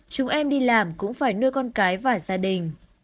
chúng em đi làm cũng phải nuôi con cái và gia đình